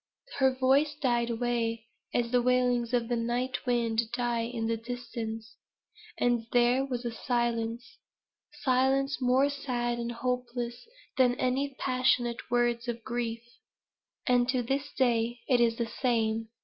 Her voice died away, as the wailings of the night wind die in the distance; and there was silence silence more sad and hopeless than any passionate words of grief. And to this day it is the same.